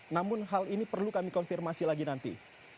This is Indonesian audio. namun hal ini perlu kami konfirmasi lagi nanti